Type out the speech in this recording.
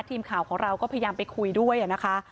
ทีมข่าวของเราก็พยายามไปคุยด้วยนะคะ